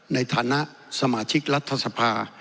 ในฐานะสมาชิกรัฐสภา